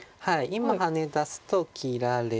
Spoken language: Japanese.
今ハネ出すと切られて。